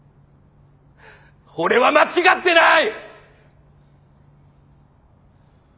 俺は間違ってない！